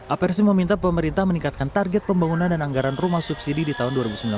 apersi meminta pemerintah meningkatkan target pembangunan dan anggaran rumah subsidi di tahun dua ribu sembilan belas